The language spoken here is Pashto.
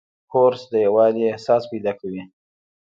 کورس د یووالي احساس پیدا کوي.